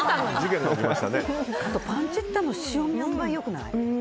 あとパンチェッタの塩みの塩梅、よくない？